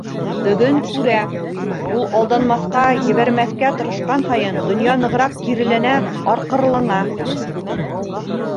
Бөгөн күрә: ул алданмаҫҡа, ебәрмәҫкә тырышҡан һайын донъя нығыраҡ киреләнә, арҡырылана.